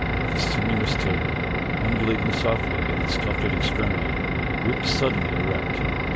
The sinuous tail, undulating slowly at its tufted extremity, whipped suddenly erect.